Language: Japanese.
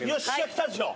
きたでしょ。